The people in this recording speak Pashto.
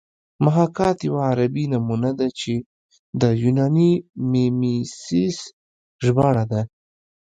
محاکات یوه عربي نومونه ده چې د یوناني میمیسیس ژباړه ده